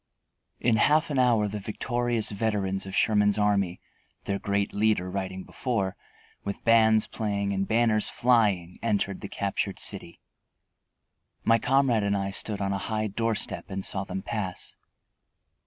In half an hour the victorious veterans of Sherman's army, their great leader riding before, with bands playing and banners flying, entered the captured city. My comrade and I stood on a high door step and saw them pass.